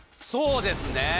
そうですね。